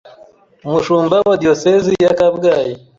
Umushumba wa Diyosezi ya Kabgayi